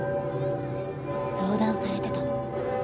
相談されてたの？